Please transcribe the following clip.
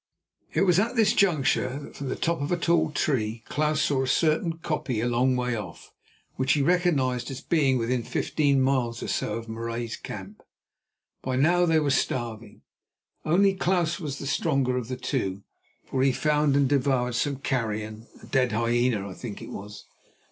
It was at this juncture that from the top of a tall tree Klaus saw a certain koppie a long way off, which he recognised as being within fifteen miles or so of Marais's camp. By now they were starving, only Klaus was the stronger of the two, for he found and devoured some carrion, a dead hyena I think it was.